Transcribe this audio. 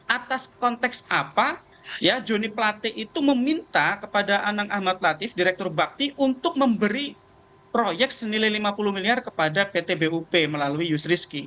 atas konteks apa ya joni plate itu meminta kepada anang ahmad latif direktur bakti untuk memberi proyek senilai lima puluh miliar kepada pt bup melalui yusrisky